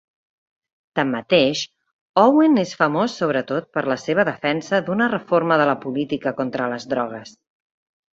Tanmateix, Owen és famós sobretot per la seva defensa d'una reforma de la política contra les drogues.